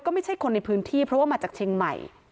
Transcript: ไม่ใช่คนในพื้นที่เพราะว่ามาจากเชียงใหม่